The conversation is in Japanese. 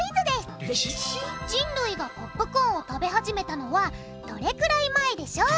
人類がポップコーンを食べ始めたのはどれくらい前でしょう？